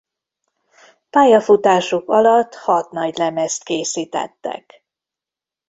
Pályafutásuk alatt hat nagylemezt készítettek.